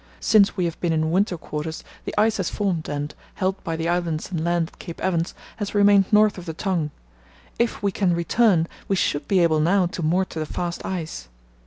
Since we have been in winter quarters the ice has formed and, held by the islands and land at Cape Evans, has remained north of the Tongue. If we can return we should be able now to moor to the fast ice.